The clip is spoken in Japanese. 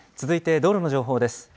続いて道路の情報です。